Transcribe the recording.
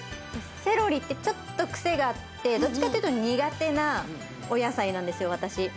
セロリってちょっとくせがあってどっちかっていうとにがてなおやさいなんですよわたし。